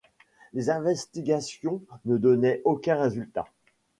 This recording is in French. Les investigations ne donnaient aucun résultat